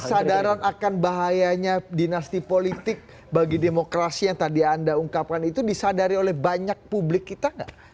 kesadaran akan bahayanya dinasti politik bagi demokrasi yang tadi anda ungkapkan itu disadari oleh banyak publik kita nggak